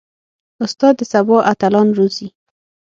استاد د سبا اتلان روزي.